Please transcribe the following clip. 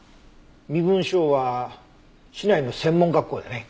身分証は市内の専門学校だね。